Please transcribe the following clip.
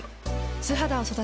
素肌を育てる。